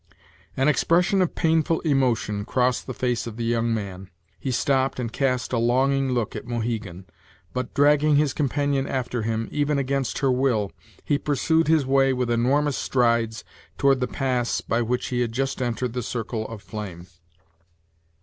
An expression of painful emotion crossed the face of the young man; he stopped and cast a longing look at Mohegan but, dragging his companion after him, even against her will, he pursued his way with enormous strides toward the pass by which he had just entered the circle of flame.